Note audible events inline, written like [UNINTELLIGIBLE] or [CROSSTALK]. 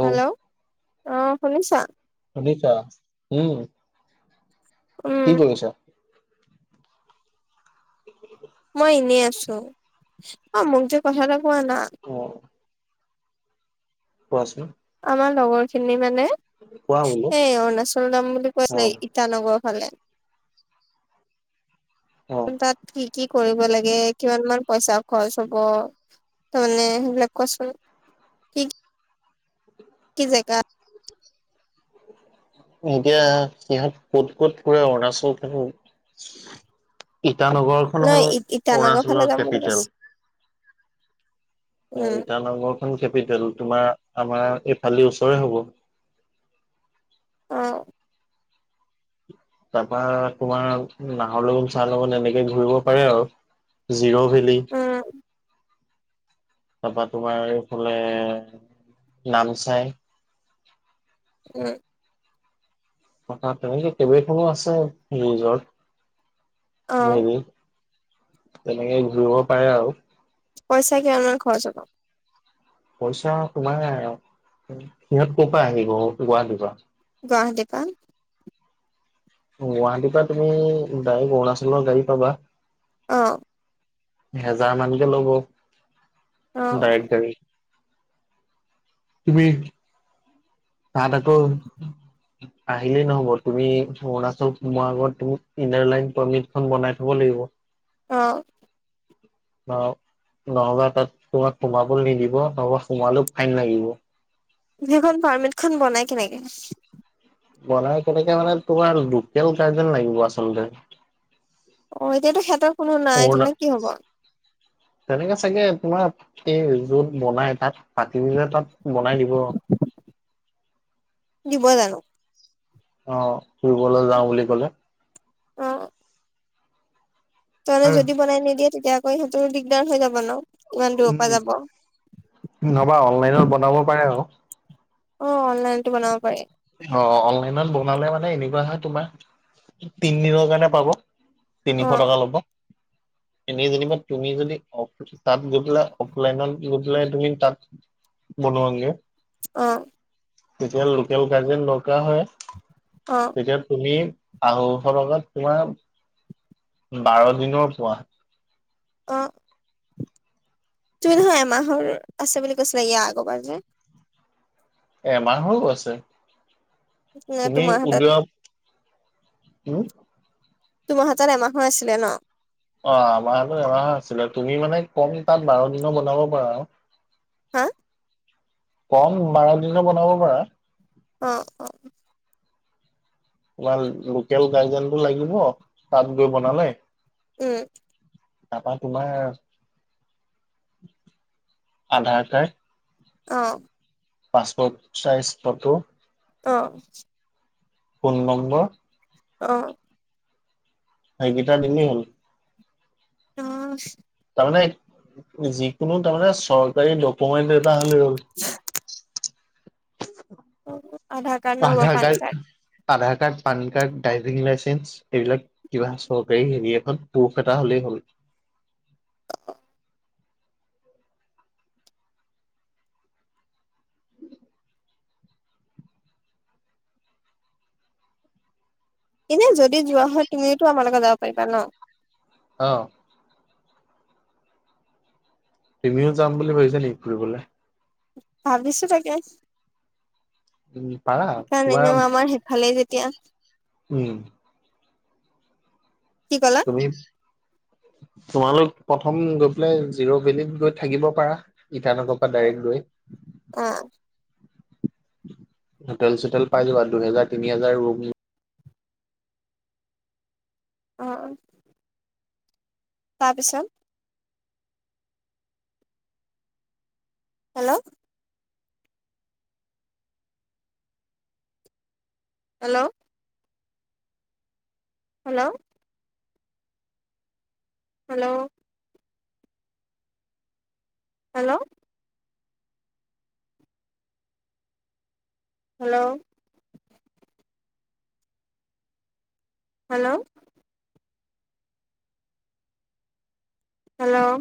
Hello অঁ শুনিছা? শুনিছা? উম। উম কি কৰিছা? [UNINTELLIGIBLE] মই এনেই আছোঁ। অ মোক যে কথা এটা কোৱা না? অ। কোৱাচোন? আমাৰ লগৰখিনি মানে কোৱা বোলো এই অৰুণাচল যাম বুলি কৈ অ আছিলে ইটানগৰ ফালে, অ তাত কি কি কৰিব লাগে কিমান মান পইছা খৰচ হ'ব তামানে সেইবিলাক কোৱাচোন? কি [INAUDIBLE] কি জেগাত? এতিয়া সিহঁত ক'ত ক'ত ফুৰে অৰুণাচল ইটানগৰখন নহ হ'ল ইটানগৰ ফালে অৰুণাচলৰ যাম বুলি কৈছে কেপিটেল। অ উম ইটানগৰখন কেপিটেল তোমাৰ আমাৰ এইফাল দি ওচৰে হ'ব। অ। তাপা তোমাৰ নাহৰ লগত চাহ লগত এনেকে ঘুৰিব পাৰে আৰু। জিৰ' ভেলি। উম। তাপা তোমাৰ এইফালে নামচাই। উম। থা তেনেকে কেইবেইখনো আছে ৰিজৰ্ অ মেৰি [UNINTELLIGIBLE] তেনেকে ঘুৰিব পাৰে আৰু। পইছা কিমান মান খৰচ হ'ব। পইছা তোমাৰ উম সিহঁত ক'ৰ পৰা আহিব গুৱাহাটীৰ পৰা? গুৱাহাটীৰ পৰা। গুৱাহাটীৰ পৰা তুমি ডাইৰেক অৰুণাচলৰ গাড়ী পাবা। অঁ। এহেজাৰ মানকে ল'ব অ ডাইৰেক গাড়ী। তুমি তাহাঁত আকৌ আহিলেই নহ'ব তুমি অৰুণাচল সোমোৱা আগত তুমি ইনাৰ লাইন পাৰ্মিত খন বনাই থব লাগিব। অঁ। নহ নহ'বা তাত তোমাক সোমাবলে নিদিব নহ'বা সোমালেও ফায়েন লাগিব। যিখন পাৰ্মিত খন বনাই কেনেকে? বনাই কেনেকে মানে তোমাৰ লোকেল গাৰ্জেন লাগিব আচলতে। অ এতিয়াটো সেতৰ কোনো নাই অৰুণা তেন্তে কি হ'ব? তেনেকে চাগে তোমাৰ এই যত বনাই তাত পাতি দিলে তাত বনাই দিব দিব জানো অ ফুৰিবলৈ যাওঁ বুলি ক'লে অ ত মানে যদি বনাই নিদিয়ে তেতিয়া আকৌ সেইটো দিগদাৰ হৈ যাব ন ইমান দূৰৰ পৰা যাব নহবা অনলাইনত বনাব পাৰে আৰু অ অনলাইনতো বনাব পাৰি অ অনলাইনত বনালে মানে এনেকুৱা হয় তোমাৰ তিন দিনৰ কাৰণে পাব অ তিনিশ টকা ল'ব এনেই যেনিবা তুমি যদি অ তাত গৈ পেলাই অফলাইনত গৈ পেলাই তুমি তাত বনোৱা গে অ তেতিয়া লোকেল গাৰ্জেন দৰকাৰ হয়। অঁ তেতিয়া তুমি আঢ়ৈশ টকাত তোমাৰ বাৰ দিনৰ পোৱা অ তুমি নহয় এমাহৰ আছে বুলি কৈছিলা ইয়া আগৰবাৰ যে। এমাহৰো আছে তুমি তোমাৰ হাতত উলোৱা। হম তোমাৰ হাতত এমাহৰ আছিলে ন অ আমাৰতো এমাহ আছিলে, তুমি মানে কম তাত বাৰ দিনৰ বনাব পাৰা আৰু। হা কম বাৰ দিনৰ বনাব পাৰা অ অ তোমাৰ লোকেল গাৰ্জেনটো লাগিব, তাত গৈ বনালে। উম। তাৰাপা তোমাৰ আধাৰ কাৰ্ড অ পাছপৰ্ট চাইজ ফটো অ ফোন নম্বৰ অ সেইকেইটা দিলেই হ'ল। অ তাৰমানে যিকোনো তাৰমানে চৰকাৰী ডকুমেণ্ট এটা হলে হ'ল। [UNINTELLIGIBLE] অ আধাৰ কাৰ্ড নহ'বা Aadhaar PAN card Aadhaar card, PAN card, driving licence এইবিলাক কিবা চৰকাৰী হেৰি এখন প্ৰুভ এটা হ'লেই হ'ল এনে যদি যোৱা হয় তুমিও টো আমাৰ লগত যাব পাৰিবা ন' অ তুমিও যাম বুলি ভাবিছা নেকি ফুৰিবলৈ। ভাবিছো তাকে স উম পাৰা কাৰণ তোমাৰ এনেও আমাৰ। ভালেই যেতিয়া। উম কি ক'লে। তুমি তোমালোক প্ৰথম গৈ পেলাই জিৰ' ভেলিত গৈ থাকিব পাৰা। ইটানগৰ পৰা ডাইৰেক্ট গৈ। অঁ হোটেল চোটেল পাই যাবা, দুহেজাৰ তিনি হাজাৰ ৰুম। অঁ অঁ তাৰপিছত hello hello hello hello hello hello hello hello